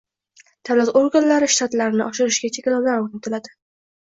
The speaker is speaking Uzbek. Davlat organlari shtatlarini oshirishga cheklovlar o‘rnatiladi.